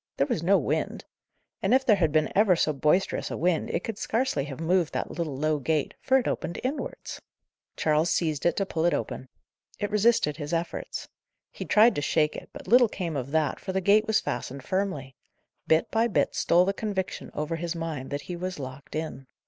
There was no wind. And if there had been ever so boisterous a wind, it could scarcely have moved that little low gate, for it opened inwards. Charles seized it to pull it open. It resisted his efforts. He tried to shake it, but little came of that, for the gate was fastened firmly. Bit by bit stole the conviction over his mind that he was locked in.